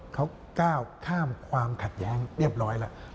เขาก้าวข้ามความขัดแย้งเรียบร้อยแล้ว